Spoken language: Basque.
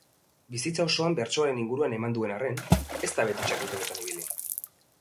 Bizitza osoa bertsoaren inguruan eman duen arren, ez da beti txapelketetan ibili.